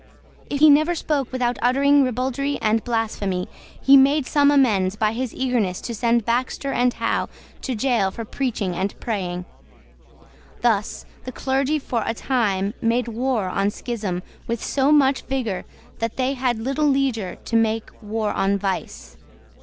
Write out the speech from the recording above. If he never spoke without uttering ribaldry and blasphemy, he made some amends by his eagerness to send Baxter and Howe to gaol for preaching and praying. Thus the clergy, for a time, made war on schism with so much vigour that they had little leisure to make war on vice.